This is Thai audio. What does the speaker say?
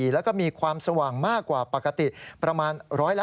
แล้วก็มีความสว่างมากกว่าปกติประมาณ๑๕